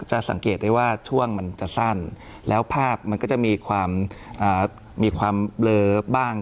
สังเกตได้ว่าช่วงมันจะสั้นแล้วภาพมันก็จะมีความมีความเบลอบ้าง